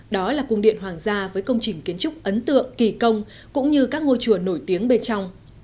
đó là cung điện hoàng gia với công trình kiến trúc ấn tượng kỳ công cũng như các ngôi chùa nổi tiếng bên trong